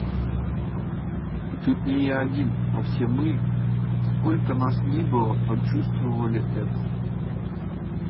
И тут не я один, а все мы, сколько нас ни было, почувствовали это.